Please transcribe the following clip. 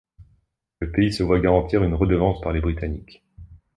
Le pays se voit garantir une redevance par les Britanniques.